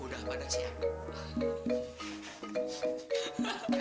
udah pada siap